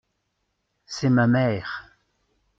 C’est ma mère.